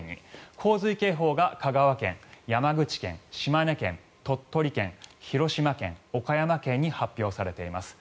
洪水警報が香川県、山口県島根県、鳥取県広島県、岡山県に発表されています。